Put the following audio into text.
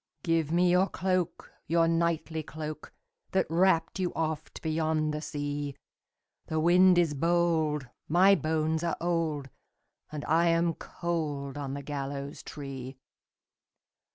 "Give me your cloak, your knightly cloak, That wrapped you oft beyond the sea; The wind is bold, my bones are old, And I am cold on the gallows tree."